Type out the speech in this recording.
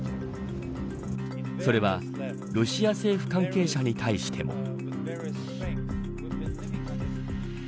それはロシア政府関係者に対しても。